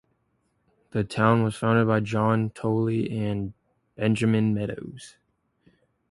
The town was founded by John Tolley and Benjamin Meadows.